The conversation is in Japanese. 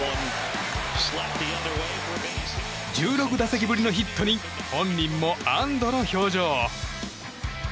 １６打席ぶりのヒットに本人も安堵の表情。